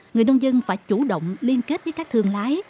người nông dân phải chủ động liên kết với các thương lái